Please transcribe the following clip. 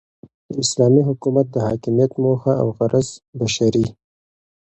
داسلامي حكومت دحاكميت موخه اوغرض بشري